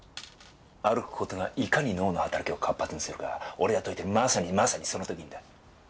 歩く事がいかに脳の働きを活発にするか俺が説いてるまさにまさにその時にだ。